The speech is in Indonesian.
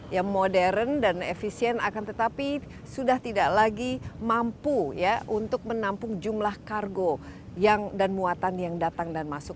yang modern dan efisien akan tetapi sudah tidak lagi mampu ya untuk menampung jumlah kargo dan muatan yang datang dan masuk